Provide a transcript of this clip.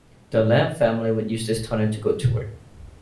The Lemp Family would use this tunnel to go to work.